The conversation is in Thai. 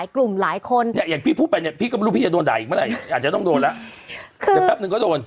คือแต่แป๊บนึงก็โดน